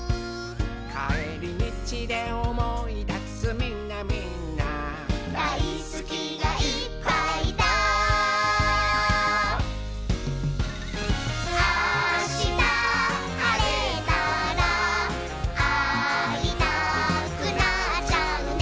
「かえりみちでおもいだすみんなみんな」「だいすきがいっぱいだ」「あしたはれたらあいたくなっちゃうね」